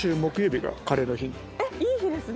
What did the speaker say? いい日ですね。